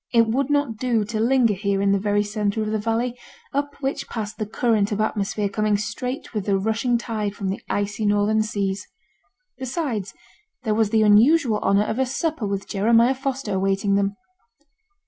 It would not do to linger here in the very centre of the valley up which passed the current of atmosphere coming straight with the rushing tide from the icy northern seas. Besides, there was the unusual honour of a supper with Jeremiah Foster awaiting them.